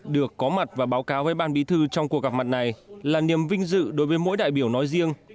được có mặt và báo cáo với ban bí thư trong cuộc gặp mặt này là niềm vinh dự đối với mỗi đại biểu nói riêng